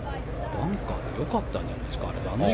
バンカーで良かったんじゃないですか。